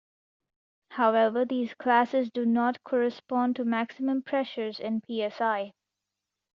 However these classes do not correspond to maximum pressures in psi.